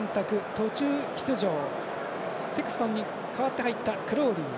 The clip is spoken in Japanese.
途中出場、セクストンに代わって入ったクロウリー。